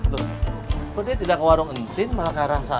kalau dia tidak ke warung entin malah ke arah sana